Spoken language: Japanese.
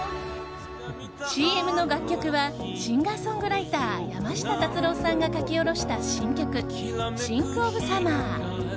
ＣＭの楽曲はシンガーソングライター山下達郎さんが書き下ろした新曲「ＳｙｎｃＯｆＳｕｍｍｅｒ」。